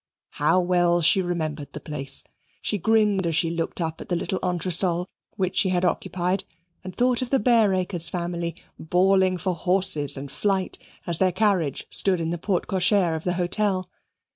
How well she remembered the place! She grinned as she looked up at the little entresol which she had occupied, and thought of the Bareacres family, bawling for horses and flight, as their carriage stood in the porte cochere of the hotel.